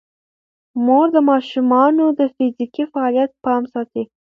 مور د ماشومانو د فزیکي فعالیت پام ساتي.